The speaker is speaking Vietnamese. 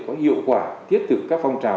có hiệu quả thiết thực các phong trào